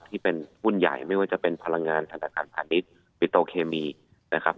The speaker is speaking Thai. ที่เป็นหุ้นใหญ่ไม่ว่าจะเป็นพลังงานธนาคารพาณิชย์ปิโตเคมีนะครับ